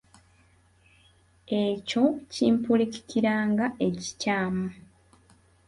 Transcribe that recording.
Ekyo kimpulikikira nga ekikyamu.